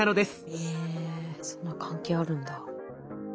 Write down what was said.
えそんな関係あるんだ。